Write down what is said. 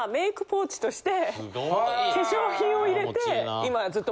ポーチとして化粧品を入れて今。